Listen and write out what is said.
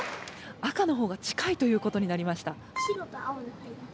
赤のほうが近いということになりました。